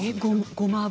ごま油！